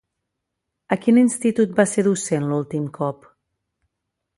A quin institut va ser docent l'últim cop?